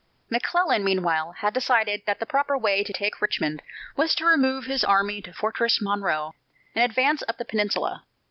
McClellan, meanwhile, had decided that the proper way to take Richmond was to remove his army to Fortress Monroe and advance up the peninsula.